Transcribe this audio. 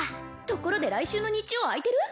「ところで来週の日曜空いてる？」